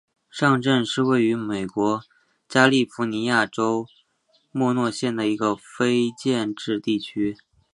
上镇是位于美国加利福尼亚州莫诺县的一个非建制地区。